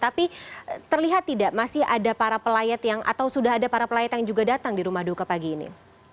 tapi terlihat tidak masih ada para pelayat yang atau sudah ada para pelayat yang juga datang di rumah duka pagi ini